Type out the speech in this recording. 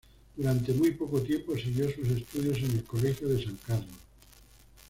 Durante muy poco tiempo siguió sus estudios en el Colegio de San Carlos.